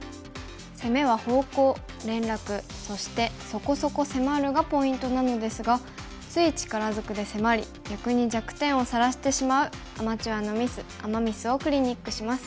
攻めは「方向」「連絡」そして「そこそこ迫る」がポイントなのですがつい力づくで迫り逆に弱点をさらしてしまうアマチュアのミスアマ・ミスをクリニックします。